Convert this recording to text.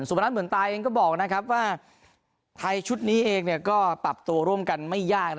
นัทเหมือนตายเองก็บอกว่าไทยชุดนี้เองก็ปรับตัวร่วมกันไม่ยาก